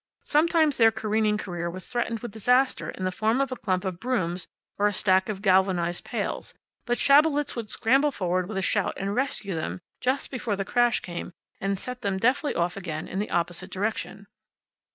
Sometimes their careening career was threatened with disaster in the form of a clump of brooms or a stack of galvanized pails. But Schabelitz would scramble forward with a shout and rescue them just before the crash came, and set them deftly off again in the opposite direction.